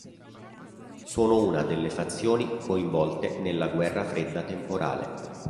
Sono una delle fazioni coinvolte nella Guerra fredda temporale.